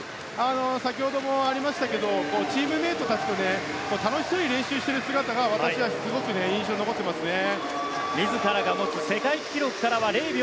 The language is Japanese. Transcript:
先ほどもありましたがチームメートたちと楽しそうに練習している姿が私はすごく印象に残っていますね。